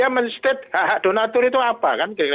men state hak hak donator itu apa